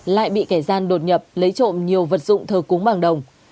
lại bị kẻ gian đột nhập lấy trộm nhiều vật dụng thờ cúng bằng đồng